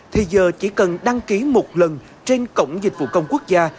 thì giờ chỉ cần đăng ký một lần trên cổng dịch vụ công quốc gia